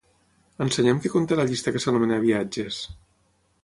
Ensenya'm què conté la llista que s'anomena "viatges".